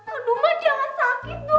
aduh man jangan sakit dong